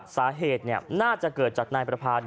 สาเหตุน่าจะเกิดจากนายประพา